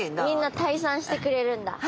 みんな退散してくれるんだ。